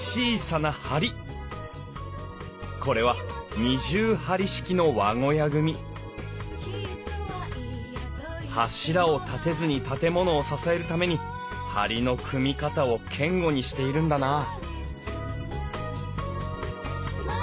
これは二重梁式の和小屋組柱を立てずに建物を支えるために梁の組み方を堅固にしているんだなあ